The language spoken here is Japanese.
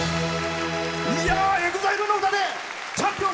ＥＸＩＬＥの歌でチャンピオン。